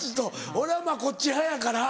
俺はまぁこっち派やから。